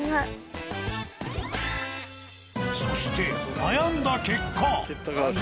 そして悩んだ結果。